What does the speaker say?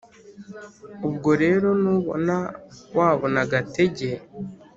ubwo rero nubona wabona agatege